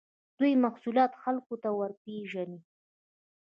دوی محصولات خلکو ته ورپېژني.